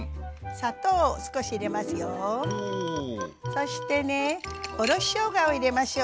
そしてねおろししょうがを入れましょう。